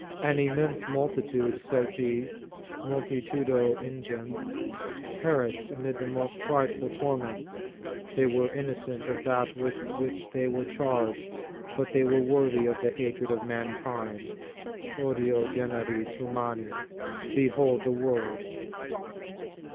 "An immense multitude," says he, "multitudo in gens, perished amid the most frightful tor ments. They were innocent of that with which they were charged, but they were worthy of the hatred of mankind, odio generis humani" Behold the word